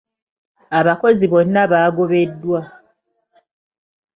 Abakozi bonna baagobeddwa.